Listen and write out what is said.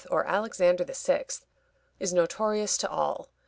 or Alexander VI., is notorious to all.